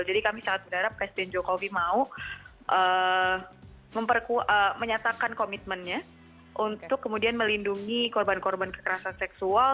jadi kami sangat berharap presiden jokowi mau menyatakan komitmennya untuk kemudian melindungi korban korban kekerasan seksual